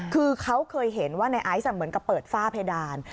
คือเขาเคยเห็นว่าในไอซ์เหมือนกับเปิดฝ้าเพดาน